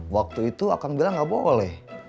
waktu itu akan bilang gak boleh